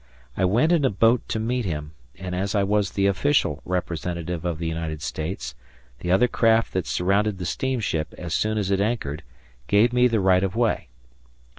I went in a boat to meet him, and, as I was the official representative of the United States, the other craft that surrounded the steamship as soon as it anchored gave me the right of way.